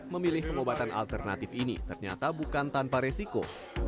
memilih pengobatan alternatif ini ternyata bukan tanpa resiko